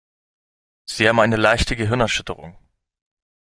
Sie haben eine leichte Gehirnerschütterung.